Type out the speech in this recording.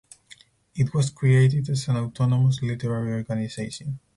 It was created as an autonomous literary organisation.